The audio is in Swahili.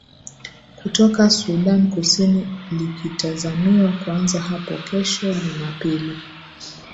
kutoka sudan kusini likitazamiwa kuanza hapo kesho jumapili